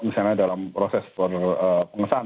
misalnya dalam proses pengesahan